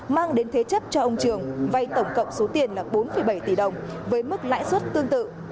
mang đến thế chấp cho ông trường vay tổng cộng số tiền là bốn bảy tỷ đồng với mức lãi suất tương tự